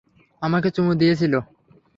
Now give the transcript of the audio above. আমাকে চুমু দিয়েছিল।